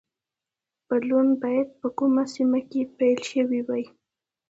بدلون باید په کومه سیمه کې پیل شوی وای